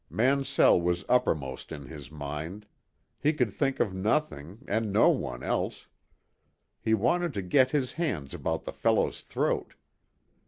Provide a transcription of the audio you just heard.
Mansell was uppermost in his mind. He could think of nothing, and no one, else. He wanted to get his hands about the fellow's throat.